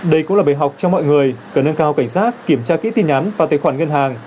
đây cũng là bài học cho mọi người cần nâng cao cảnh giác kiểm tra kỹ tin nhắn và tài khoản ngân hàng